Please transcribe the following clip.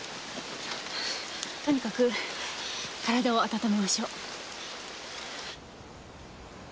とにかく体を温めましょう。